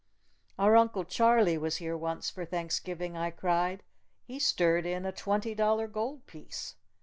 "Our uncle Charlie was here once for Thanksgiving," I cried. "He stirred in a twenty dollar gold piece.